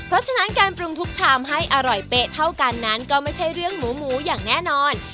เพราะฉะนั้นการปรุงทุกชามให้อร่อยเป๊ะเท่ากันนั้นก็ไม่ใช่เรื่องหมูหมูอย่างแน่นอน